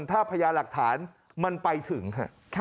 ถ้าพญาหลักฐานมันไปถึง